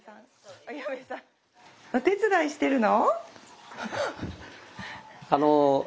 お手伝いしてるの？